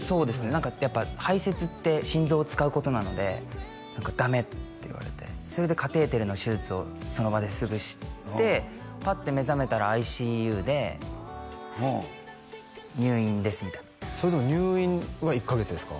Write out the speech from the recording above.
何かやっぱ排泄って心臓を使うことなので何か「ダメ！」って言われてそれでカテーテルの手術をその場ですぐしてパッて目覚めたらＩＣＵでうん入院ですみたいなそれでも入院は１カ月ですか？